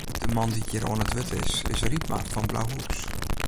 De man dy't hjir oan it wurd is, is Rypma fan Blauhûs.